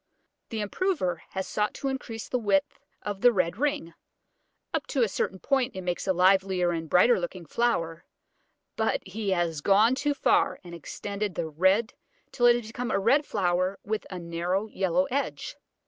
The improver has sought to increase the width of the red ring. Up to a certain point it makes a livelier and brighter looking flower; but he has gone too far, and extended the red till it has become a red flower with a narrow yellow edge.